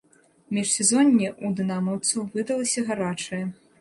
Міжсезонне ў дынамаўцаў выдалася гарачае.